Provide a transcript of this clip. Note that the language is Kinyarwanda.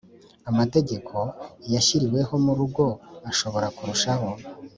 Amategeko washyiriweho mu rugo ashobora kurushaho